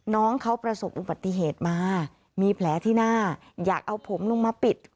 น้องเขาประสบอุบัติเหตุมามีแผลที่หน้าอยากเอาผมลงมาปิด